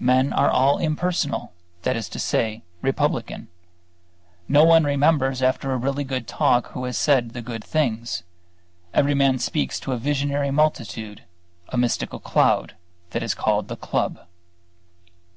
Men are all impersonal; that is to say, republican. No one remembers after a really good talk who has said the good things. Every man speaks to a visionary multitude; a mystical cloud, that is called the club.